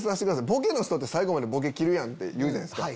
ボケの人って最後までボケきるって言うじゃないっすか。